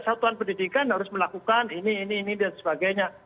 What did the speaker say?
satuan pendidikan harus melakukan ini ini ini dan sebagainya